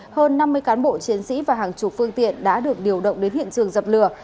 hơn năm mươi cán bộ chiến sĩ và hàng chục phương tiện đã được điều động đến hiện trường dập lửa